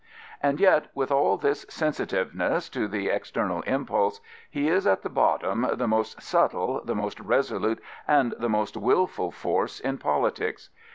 And yet with all this sensitiveness to the external impulse, he is at the bottom the most subtle, the most resolute, and the most wilful force in politics.